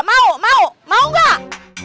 mau mau mau gak